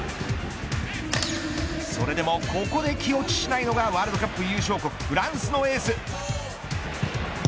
それでも、ここで気落ちしないのがワールドカップ優勝国フランスのエース。